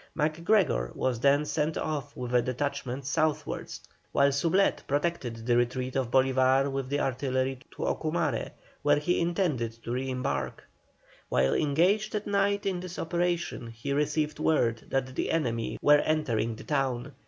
MacGregor was then sent off with a detachment southwards to Choroni, while Soublette protected the retreat of Bolívar with the artillery to Ocumare, where he intended to re embark. While engaged at night in this operation, he received word that the enemy were entering the town.